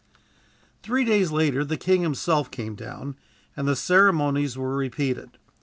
Three days later the king himself came down, and the ceremonies were repeated.